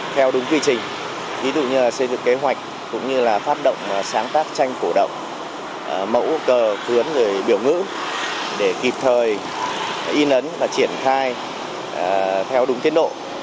theo đúng quy trình ví dụ như là xây dựng kế hoạch cũng như là phát động sáng tác tranh cổ động mẫu cờ khuyến biểu ngữ để kịp thời in ấn và triển khai theo đúng tiến độ